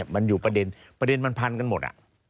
มันอยู่ประเด็นมันพันกันหมด